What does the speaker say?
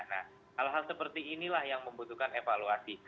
nah hal hal seperti inilah yang membutuhkan evaluasi